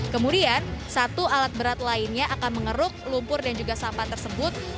kemudian satu alat berat lainnya akan mengeruk lumpur dan juga sampah tersebut